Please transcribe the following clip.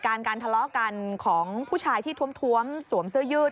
การการทะเลาะกันของผู้ชายที่ท้วมสวมเสื้อยืด